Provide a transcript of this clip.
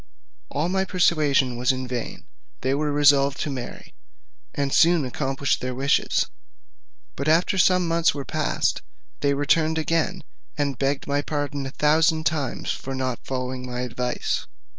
All my persuasion was in vain; they were resolved to marry, and soon accomplished their wishes. But after some months were past, they returned again, and begged my pardon a thousand times for not following my advice.